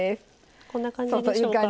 こんな感じでしょうか。